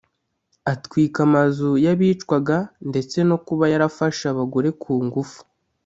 atwika amazu y’abicwaga ndetse no kuba yarafashe abagore ku ngufu